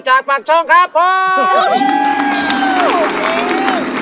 จากปากช่องครับ